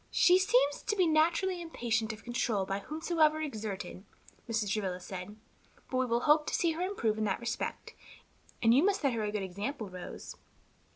"She seems to be naturally impatient of control by whomsoever exerted," Mrs. Travilla said, "but we will hope to see her improve in that respect, and you must set her a good example, Rose.